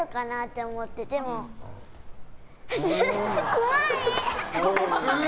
怖い！